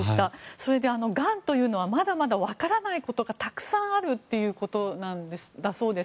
それでがんというのはまだまだわからないことがたくさんあるということなんだそうです。